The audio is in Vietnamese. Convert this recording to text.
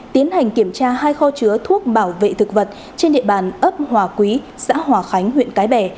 tiến hành kiểm tra hai kho chứa thuốc bảo vệ thực vật trên địa bàn ấp hòa quý xã hòa khánh huyện cái bè